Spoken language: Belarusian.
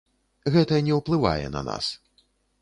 Гэта не ўплывае на нас.